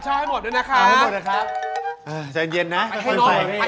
ไปก่อนนะรับติช้องให้หมดด้วยนะครับเอาหมดแล้วครับ